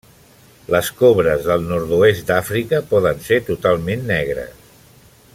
Les cobres del nord-oest d'Àfrica poden ser totalment negres.